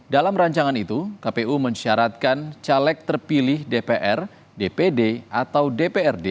dalam rancangan itu kpu mensyaratkan caleg terpilih dpr dpd atau dprd